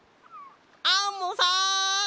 アンモさん！